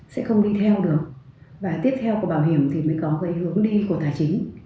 sẽ không đi theo được và tiếp theo của bảo hiểm thì mới có cái hướng đi của tài chính